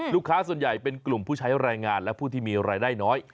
ลูกค้าส่วนใหญ่เป็นกลุ่มผู้ใช้แรงงานและผู้ที่มีรายได้น้อย